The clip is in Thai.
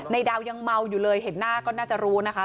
ดาวยังเมาอยู่เลยเห็นหน้าก็น่าจะรู้นะคะ